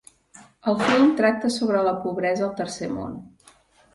El film tracta sobre la pobresa al tercer món.